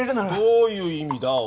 どういう意味だ？